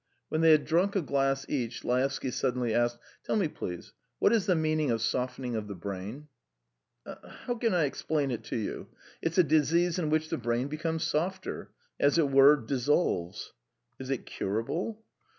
When they had drunk a glass each, Laevsky suddenly asked: "Tell me, please, what is the meaning of softening of the brain?" "How can I explain it to you? ... It's a disease in which the brain becomes softer ... as it were, dissolves." "Is it curable?"